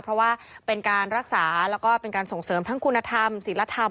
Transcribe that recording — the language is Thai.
เพราะว่าเป็นการรักษาแล้วก็เป็นการส่งเสริมทั้งคุณธรรมศิลธรรม